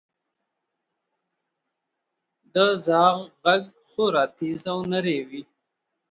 • د زاغ ږغ خورا تیز او نری وي.